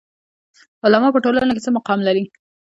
علما په ټولنه کې څه مقام لري؟